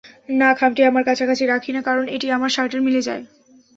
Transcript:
না খামটি আমার কাছাকাছি রাখি না কারন এটি আমার শার্টের মিলে যায়।